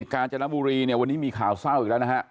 การจนบุรีเนี่ยวันนี้มีข่าวเศร้าอีกแล้วนะฮะ